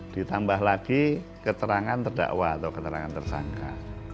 ditambah lagi keterangan terdakwa atau keterangan tersangka